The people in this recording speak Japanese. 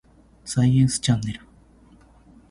サイエンスチャンネル